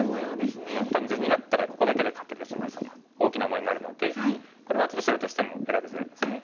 多分地になったらここだけで勝ててしまいそうな大きな模様になるのでこれはちょっと白としても選びづらいですね。